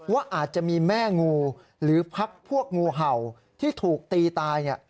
ว่าอาจจะมีแม่งูหรือพักพวกงูเห่าที่ถูกตีตาย